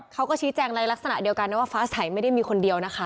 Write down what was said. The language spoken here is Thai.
เขาก็ชี้แจงในลักษณะเดียวกันนะว่าฟ้าใสไม่ได้มีคนเดียวนะคะ